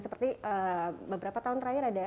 seperti beberapa pesawat yang tidak tepat penggunaan